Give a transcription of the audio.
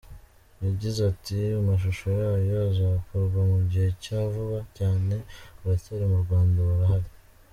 Yagize ati "Amashusho yayo azakorwa mu gihe cya vuba cyane, baracyari mu Rwanda, barahari.